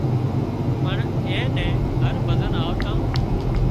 پڻ اين نين هر ڀزن آوتان